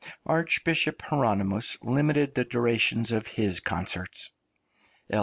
Archbishop Hieronymus limited the duration of his concerts. L.